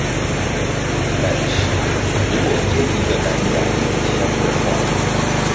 但是如果接一個藍芽音箱的話